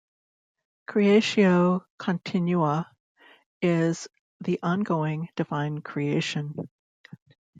"Creatio continua" is the ongoing divine creation.